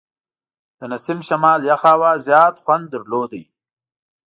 د نسیم شمال یخه هوا زیات خوند درلود.